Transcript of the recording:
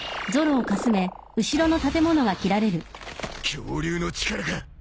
恐竜の力か！？